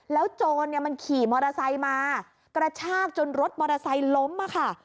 โจรเนี่ยมันขี่มอเตอร์ไซค์มากระชากจนรถมอเตอร์ไซค์ล้มค่ะ